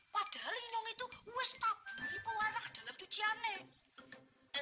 padahal ini yang itu wes taburi pewarna dalam cuciannya